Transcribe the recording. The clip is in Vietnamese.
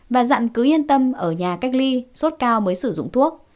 và dặn cứ yên tâm ở nhà cách ly sốt cao mới sử dụng thuốc